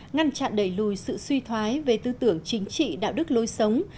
ngăn chặn đẩy lùi sự suy thoái về tư tưởng chính trị đạo đức lối sống